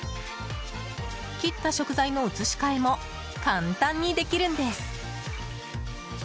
切った食材の移し替えも簡単にできるんです。